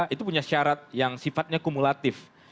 itu punya syarat yang sifatnya kumulatif